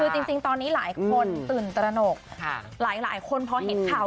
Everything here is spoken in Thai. คือจริงตอนนี้หลายคนตื่นตระหนกหลายคนพอเห็นข่าว